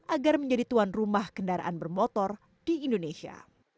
agar menjadi tuan rumah kendaraan bermotor di indonesia